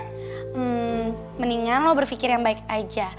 hmm mendingan lo berpikir yang baik aja